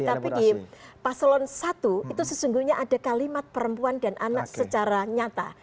tapi di paselon satu itu sesungguhnya ada kalimat perempuan dan anak secara nyata